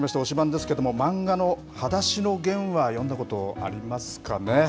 ですけれども、漫画のはだしのゲンは読んだことありますかね。